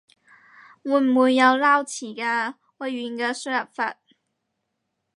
會唔會有撈詞㗎？微軟嘅輸入法